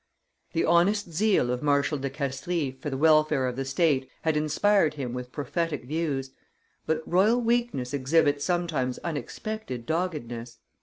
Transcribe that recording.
The honest zeal of Marshal de Castries for the welfare of the state had inspired him with prophetic views; but royal weakness exhibits sometimes unexpected doggedness.